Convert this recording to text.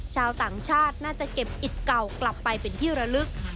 ชาวต่างชาติน่าจะเก็บอิตเก่ากลับไปเป็นที่ระลึก